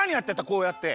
こうやって。